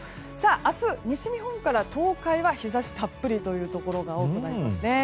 明日、西日本から東海は日差したっぷりというところが多くなりますね。